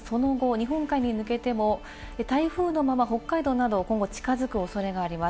またその後、日本海に抜けても台風のまま、北海道など今後近づく恐れがあります。